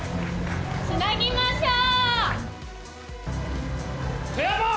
つなぎましょう！